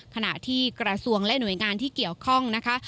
ขณะที่กระทรวงและหน่วยงานที่เกี่ยวข้องนะคะ